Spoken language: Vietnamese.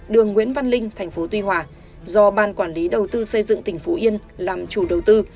đường nguyễn văn linh tp tuy hòa do ban quản lý đầu tư xây dựng tỉnh phú yên làm chủ đầu tư